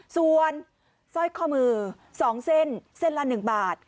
ส่วนสร้อยข้อมือ๒เส้นเส้นละ๑บาท